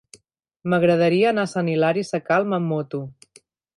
M'agradaria anar a Sant Hilari Sacalm amb moto.